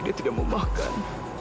dia tidak mau makan